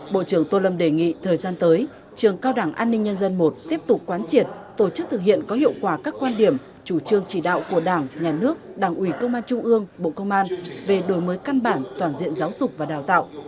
bộ trưởng tô lâm đề nghị thời gian tới trường cao đảng an ninh nhân dân i tiếp tục quán triệt tổ chức thực hiện có hiệu quả các quan điểm chủ trương chỉ đạo của đảng nhà nước đảng ủy công an trung ương bộ công an về đổi mới căn bản toàn diện giáo dục và đào tạo